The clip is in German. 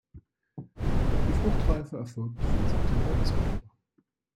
Die Fruchtreife erfolgt von September bis Oktober.